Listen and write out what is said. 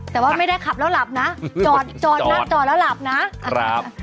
แต่ว่าไม่ได้ขับแล้วหลับนะจอดจอดนะจอดแล้วหลับนะครับ